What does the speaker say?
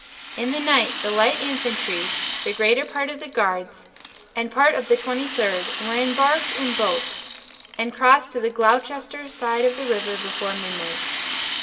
In the night the light infantry, the greater part of the guards, and part of the Twenty third were embarked in boats and crossed to the Gloucester side of the river before midnight.